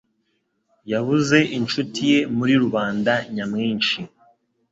Yabuze inshuti ye muri rubanda nyamwinshi.